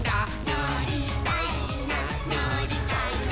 「のりたいなのりたいな」